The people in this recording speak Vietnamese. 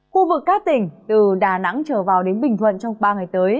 khu vực các tỉnh từ đà nẵng trở vào đến bình thuận trong ba ngày tới